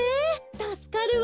たすかるわ！